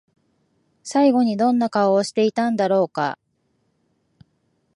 最後にどんな顔をしていたんだろうか？